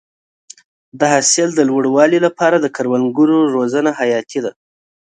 د حاصل د لوړوالي لپاره د کروندګرو روزنه حیاتي ده.